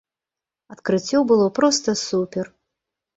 Адкрыццё было проста супер!